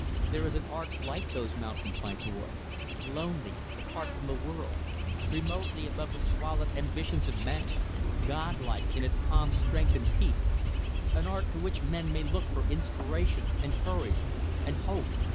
"There is an art like those mountains, my boy lonely, apart from the world; remotely above the squalid ambitions of men; Godlike in its calm strength and peace an art to which men may look for inspiration and courage and hope.